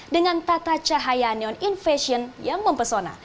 dengan tata cahaya neon in fashion yang mempesona